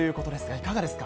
いかがですか？